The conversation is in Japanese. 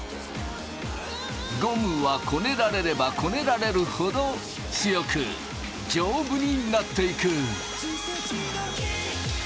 ゴムはこねられればこねられるほど強く丈夫になっていく。